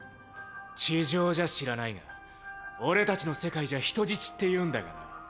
地上じゃ知らないが俺たちの世界じゃ人質って言うんだがな。